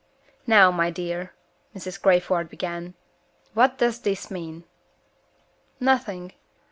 "Now, my dear!" Mrs. Crayford began, "what does this mean?" "Nothing."